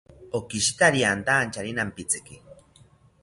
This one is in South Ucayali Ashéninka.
Okishita riantanchari nampitziki